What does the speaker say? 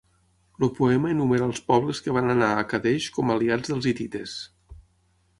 El poema enumera els pobles que van anar a Kadesh com aliats dels hitites.